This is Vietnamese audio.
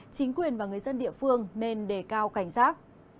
chính quyền và người dân địa phương nên đề cao cảnh giác